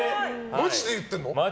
マジで言ってるの？